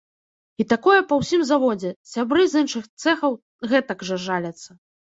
І такое па ўсім заводзе, сябры з іншых цэхаў гэтак жа жаляцца.